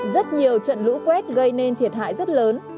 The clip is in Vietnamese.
rất nhiều trận lũ quét gây nên thiệt hại rất lớn